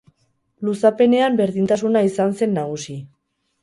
Luzapenean berdintasuna izan zen nagusi.